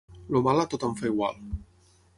El mal a tothom fa igual.